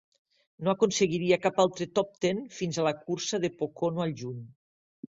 No aconseguiria cap altre top ten fins a la cursa de Pocono al juny.